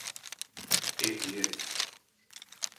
Ehliyet.